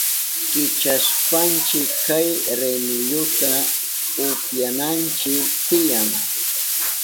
Kichashpanchi kay rimilluta upyananchi tiyan.